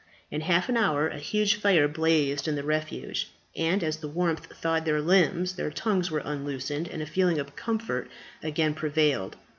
In half an hour a huge fire blazed in the refuge; and as the warmth thawed their limbs, their tongues were unloosened, and a feeling of comfort again prevailed.